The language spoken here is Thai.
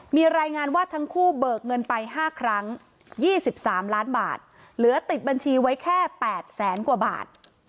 มีรายงานว่าทั้งคู่เบิกเงินไป๕ครั้ง๒๓ล้านบาทเหลือติดบัญชีไว้แค่๘แสนกว่าบาท